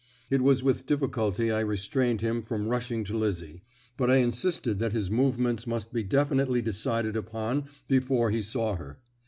It was with difficulty I restrained him from rushing to Lizzie, but I insisted that his movements must be definitely decided upon before he saw her.